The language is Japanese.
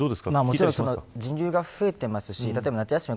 もちろん、人流が増えていますし、夏休み